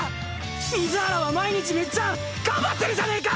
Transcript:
水原は毎日めっちゃ頑張ってるじゃねぇか！